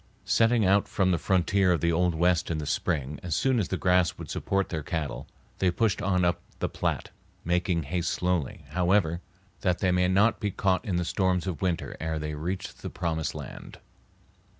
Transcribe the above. Setting out from the frontier of the old West in the spring as soon as the grass would support their cattle, they pushed on up the Platte, making haste slowly, however, that they might not be caught in the storms of winter ere they reached the promised land.